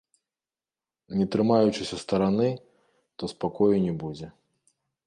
Не трымаючыся стараны, то спакою не будзе.